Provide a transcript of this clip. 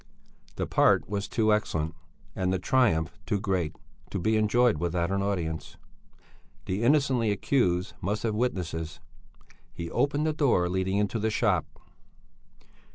The part was too excellent and the triumph too great to be enjoyed without an audience. The innocently accused must have witnesses. He opened the door leading into the shop.